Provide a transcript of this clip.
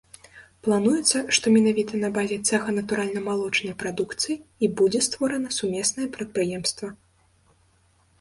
Плануецца, што менавіта на базе цэха натуральнамалочнай прадукцыі і будзе створана сумеснае прадпрыемства.